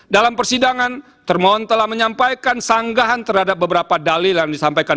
dalam persidangan termohon telah menyampaikan sanggahan terhadap beberapa dalil yang disampaikan